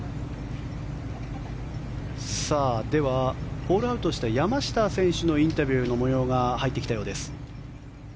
ではホールアウトした山下選手のインタビューの模様が入ってきたようです。